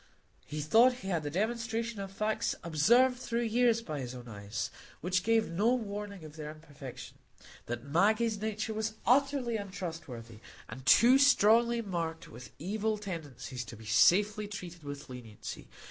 He thought he had the demonstration of facts observed through years by his own eyes, which gave no warning of their imperfection, that Maggie's nature was utterly untrustworthy, and too strongly marked with evil tendencies to be safely treated with leniency.